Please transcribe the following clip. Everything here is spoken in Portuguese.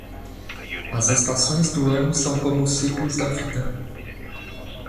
As estações do ano são como os ciclos da vida